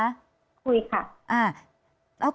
คุยค่ะ